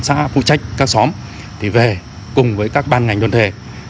sẵn cử cán bộ công an xã phụ trách các xóm thì về cùng với các ban ngành đơn thể